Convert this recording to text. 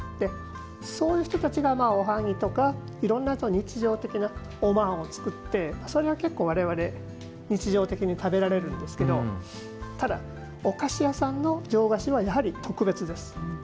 そういう人たちがおはぎとかいろんな日常的なおまんを作ってそれが結構、我々日常的に食べられるんですけどおかしやさんの上菓子は特別です。